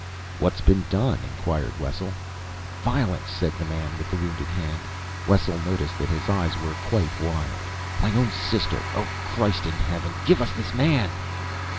"What's been done?" inquired Wessel. "Violence!" said the man with the wounded hand. Wessel noticed that his eyes were quite wild. "My own sister. Oh, Christ in heaven, give us this man!"